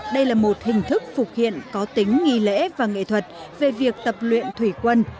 đây là một hình thức phục hiện có tính nghi lễ và nghệ thuật về việc tập luyện thủy quân